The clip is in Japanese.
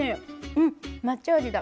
うん抹茶味だ。